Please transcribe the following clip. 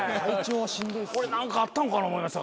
俺何かあったんかな思いました